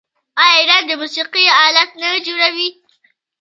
آیا ایران د موسیقۍ الات نه جوړوي؟